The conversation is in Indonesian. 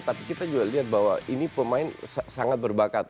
tapi kita juga lihat bahwa ini pemain sangat berbakat